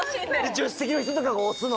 助手席の人とかが押すの。